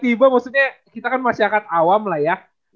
jadi gimana nih coach tiba tiba kita kan masyarakat awam lah ya